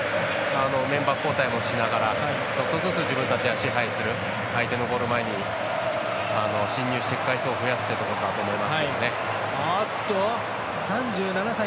メンバー交代もしながらちょっとずつ自分たちが支配する相手のゴール前に進入していく回数を増やしていると思いますけどね。